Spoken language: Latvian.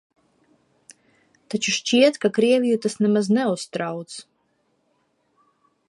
Taču šķiet, ka Krieviju tas nemaz neuztrauc.